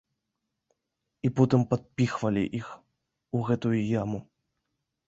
І потым падпіхвалі іх у гэтую яму.